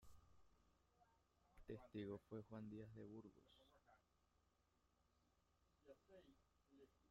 Testigo fue Juan Díaz de Burgos.